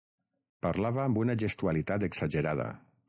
Parlava amb una gestualitat exagerada.